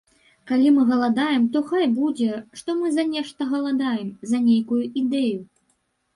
Калі мы галадаем, то хай будзе, што мы за нешта галадаем, за нейкую ідэю.